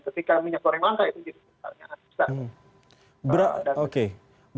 ketika minyak goreng langka itu jadi misalnya